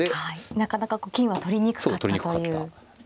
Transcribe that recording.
なかなか金は取りにくかったという。